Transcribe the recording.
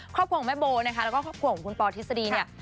ครอบครัวของแม่โบและครอบครัวของคุณปธิษฎีเนี่ย